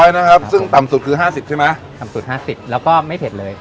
๑๐๐๑๐๐นะครับซึ่งต่ำสุดคือ๕๐ใช่ไหมต่ำสุด๕๐แล้วก็ไม่เผ็ดเลย